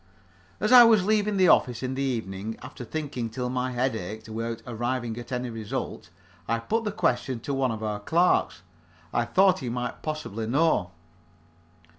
As I was leaving the office, in the evening, after thinking till my head ached without arriving at any result, I put the question to one of our clerks. I thought he might possibly know.